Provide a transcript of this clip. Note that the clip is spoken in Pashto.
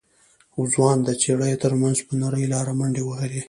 ځوان د څېړيو تر منځ په نرۍ لاره منډې وهلې.